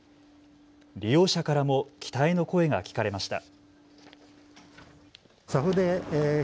利用者からも期待の声が聞かれました。